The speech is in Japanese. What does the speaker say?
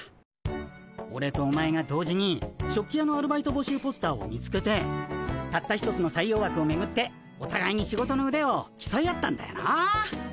オレとお前が同時に食器屋のアルバイト募集ポスターを見つけてたった一つの採用枠をめぐっておたがいに仕事のうでをきそい合ったんだよなあ。